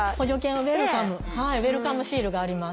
はいウェルカムシールがあります。